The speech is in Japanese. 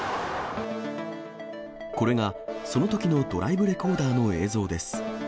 これが、そのときのドライブレコーダーの映像です。